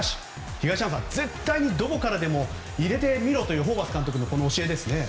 東山さん、絶対にどこからでも入れてみろというホーバス監督の教えですね。